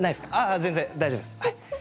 あ全然大丈夫ですはい。